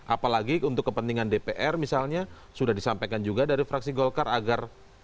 apalagi untuk kepentingan dpr misalnya sudah disampaikan juga dari fraksi golkar agar